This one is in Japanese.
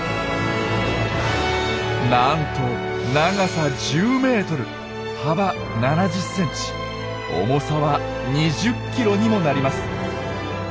なんと長さ１０ｍ幅７０ｃｍ重さは２０ｋｇにもなります。